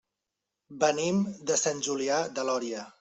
Venim de Sant Julià de Lòria.